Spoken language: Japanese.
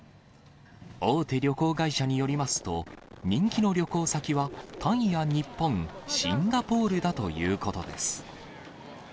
大手旅行会社によりますと、人気の旅行先はタイや日本、シンガポールだということです。